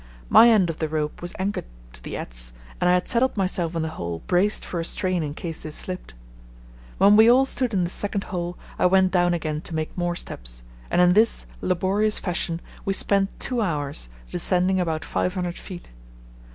My end of the rope was anchored to the adze and I had settled myself in the hole braced for a strain in case they slipped. When we all stood in the second hole I went down again to make more steps, and in this laborious fashion we spent two hours descending about 500 ft.